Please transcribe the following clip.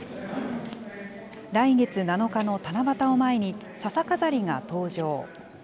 来月７日の七夕を前に、ささ飾りが登場。